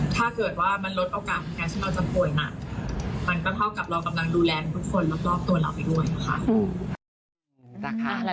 ถ้าเกิดว่ามันลดโอกาสของการที่เราจะป่วยหนักมันก็เท่ากับเรากำลังดูแลทุกคนรอบตัวเราไปด้วยค่ะ